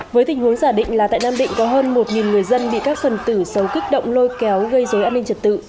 với tình huống giả định là tại nam định có hơn một người dân bị các phần tử xấu kích động lôi kéo gây dối an ninh trật tự